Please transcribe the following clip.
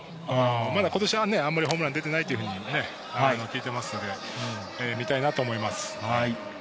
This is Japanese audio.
まだことしはね、あんまりホームラン出てないというふうに聞いてますので、見たいなと思います。